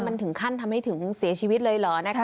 มันถึงขั้นทำให้ถึงเสียชีวิตเลยเหรอนะคะ